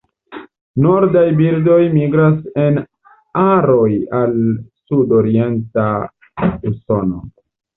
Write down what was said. Nordaj birdoj migras en aroj al sudorienta Usono.